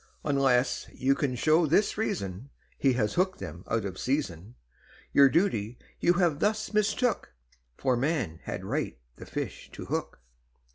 Unless you can show this reason, He has hooked them out of season, Your duty you have thus mistook, For man had right the fish to hook.